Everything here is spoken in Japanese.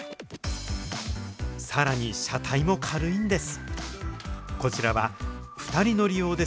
さらに車体も軽いんです。